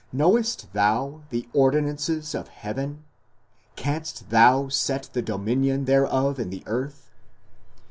Knowest thou the ordinances of heaven? canst thou set the dominion thereof in the earth?